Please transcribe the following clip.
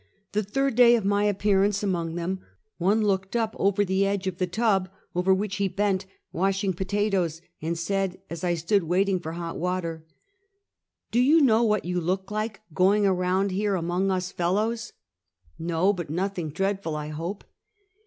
The third day of my ap pearance among them, one looked up over the edge of the tub over which he bent, washing potatoes, and said, as I stood waiting for hot water, " Do you know what you look like going around here among us fellows ?" 280 Half a Centukt. " ISTo! bnt nothing dreadful I hope."